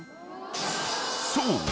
［そう！